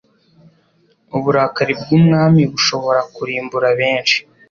Uburakari bw’umwami bushobora kurimbura benshi